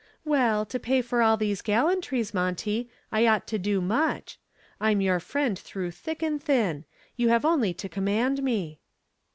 "Well, to pay for all these gallantries, Monty, I ought to do much. I'm your friend through thick and thin. You have only to command me."